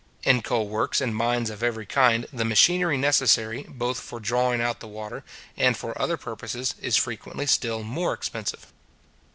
In coal works, and mines of every kind, the machinery necessary, both for drawing out the water, and for other purposes, is frequently still more expensive.